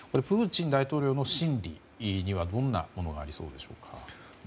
プーチン大統領の心理にはどんなものがありそうでしょうか。